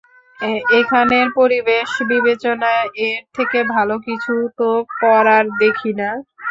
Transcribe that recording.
এখানের পরিবেশ বিবেচনায়, এর থেকে ভালো কিছু তো করার দেখি না।